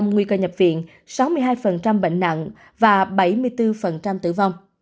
sáu mươi tám nguy cơ nhập viện sáu mươi hai bệnh nặng và bảy mươi bốn tử vong